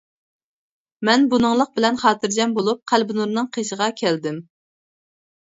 مەن بۇنىڭلىق بىلەن خاتىرجەم بولۇپ قەلبىنۇرنىڭ قېشىغا كەلدىم.